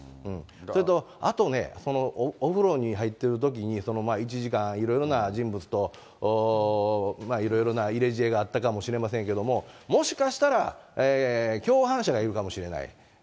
それと、あとね、お風呂に入ってるときに、１時間いろいろな人物と、いろいろな入れ知恵があったかもしれませんけども、もしかしたら共犯者がいるかもしれない。